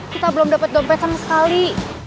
kita belum dapat dompet sama sekali